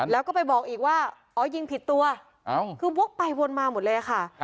แล้วก็ไปบอกอีกว่าอ๋อยิงผิดตัวคือวกไปวนมาหมดเลยค่ะ